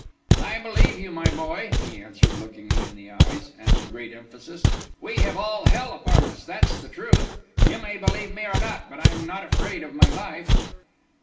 "I believe you, my boy," he answered, looking me in the eyes, and with great emphasis. "We have all hell upon us, that's the truth. You may believe me or not, but I'm afraid of my life."